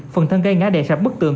phần thân cây ngã đè sạp bức tường